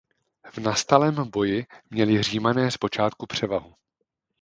V nastalém boji měli Římané zpočátku převahu.